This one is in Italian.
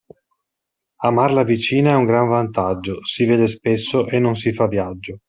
Amar la vicina è un gran vantaggio, si vede spesso e non si fa viaggio.